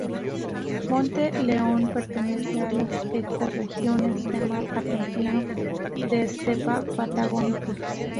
Monte León pertenece a las ecorregiones de mar argentino y de estepa patagónica.